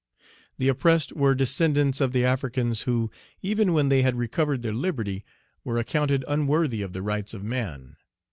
The oppressed were descendants of the Africans who, even when they had recovered their liberty, were accounted unworthy of the rights of man.